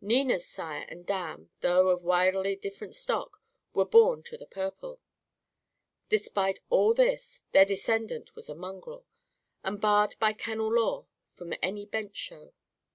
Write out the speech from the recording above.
Nina's sire and dam though of widely different stock were born to the purple. Despite all this, their descendant was a mongrel, and barred by kennel law from any bench show.